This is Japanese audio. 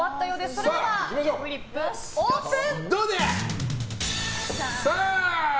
それでは、フリップオープン！